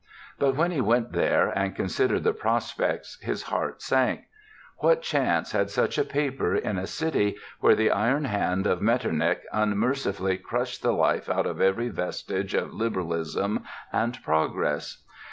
But when he went there and considered the prospects his heart sank. What chance had such a paper in a city where the iron hand of Metternich unmercifully crushed the life out of every vestige of liberalism and progress?